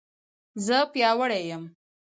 زه پیاوړې یم